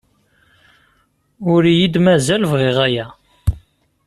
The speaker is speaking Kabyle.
Ur iyi-d-mazal bɣiɣ aya.